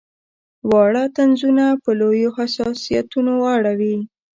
واړه طنزونه په لویو حساسیتونو اوړي.